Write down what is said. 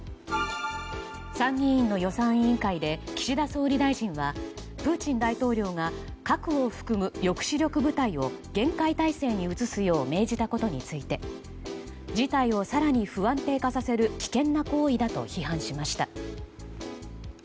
参議院の予算委員会で岸田総理大臣はプーチン大統領が核を含む抑止力部隊を厳戒態勢に移すよう命じたことについて事態を更に不安定化させる危険な行為だと批判しました。